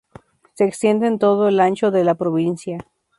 Se extiende en todo el ancho de la provincia.